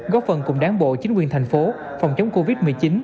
góp phần cùng đáng bộ chính quyền thành phố phòng chống covid một mươi chín